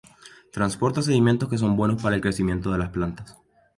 Transporta sedimentos que son buenos para el crecimiento de las plantas.